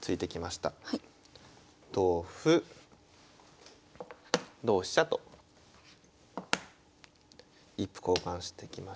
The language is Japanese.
同歩同飛車と１歩交換してきまして